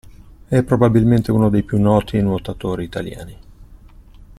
È probabilmente uno dei più noti nuotatori italiani.